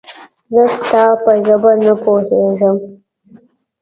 زه ستا په ژبه نه پوهېږم